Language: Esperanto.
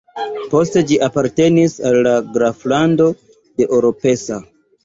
Poste ĝi apartenis al la graflando de Oropesa.